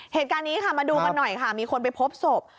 เหตุการณ์นี้ค่ะมาดูกันหน่อยค่ะมีคนไปพบศพ